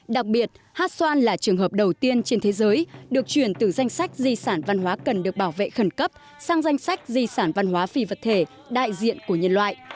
đặc biệt hát xoan là trường hợp đầu tiên trên thế giới được chuyển từ danh sách di sản văn hóa cần được bảo vệ khẩn cấp sang danh sách di sản văn hóa phi vật thể đại diện của nhân loại